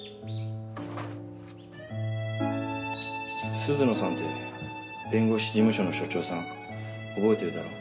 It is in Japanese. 鈴野さんって弁護士事務所の所長さん覚えてるだろ？